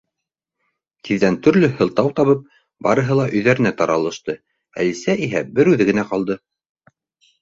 Тиҙҙән төрлө һылтау табып, барыһы ла өйҙәренә таралышты, Әлисә иһә бер үҙе генә ҡалды.